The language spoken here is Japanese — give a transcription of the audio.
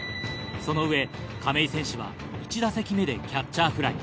その上亀井選手は１打席目でキャッチャーフライ。